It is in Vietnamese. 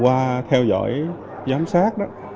qua theo dõi giám sát đó